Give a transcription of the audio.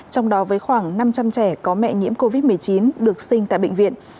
trong đó với khoảng năm trăm linh trẻ có mẹ nhiễm covid một mươi chín được sinh tại bệnh viện